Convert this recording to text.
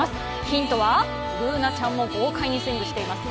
ヒントは、Ｂｏｏｎａちゃんも豪快にスイングしてます。